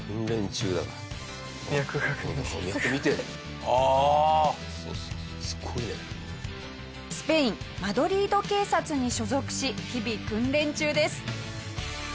下平：スペインマドリード警察に所属し日々訓練中です。